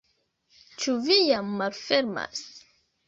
Ĉu vi jam malfermas?